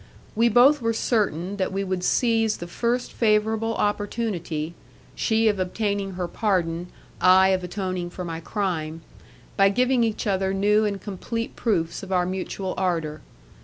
We both were certain that we would seize the first favourable opportunity, she of obtaining her pardon, I of atoning for my crime, by giving each other new and complete proofs of our mutual ardour.